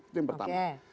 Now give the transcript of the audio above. itu yang pertama